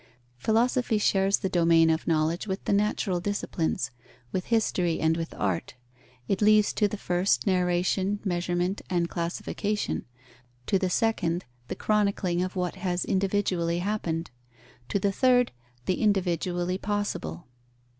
Philosophy shares the domain of knowledge with the natural disciplines, with history and with art. It leaves to the first, narration, measurement and classification; to the second, the chronicling of what has individually happened; to the third, the individually possible.